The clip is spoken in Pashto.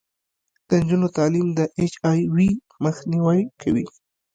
د نجونو تعلیم د اچ آی وي مخنیوی کوي.